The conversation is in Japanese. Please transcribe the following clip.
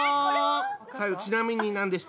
最後ちなみに何でした？